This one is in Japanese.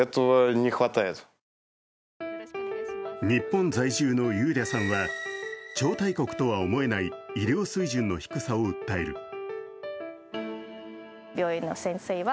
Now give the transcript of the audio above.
日本在住のユーリャさんは超大国とは思えない医療水準の低さを訴える。